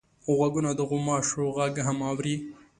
غوږونه د غوماشو غږ هم اوري